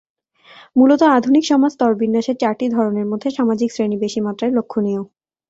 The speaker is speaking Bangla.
মূলত আধুনিক সমাজে স্তরবিন্যাসের চারটি ধরনের মধ্যে সামাজিক শ্রেণি বেশি মাত্রায় লক্ষণীয়।